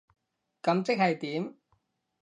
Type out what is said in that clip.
噉即係點？